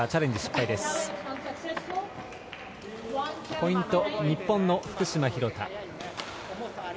ポイント、日本の福島、廣田。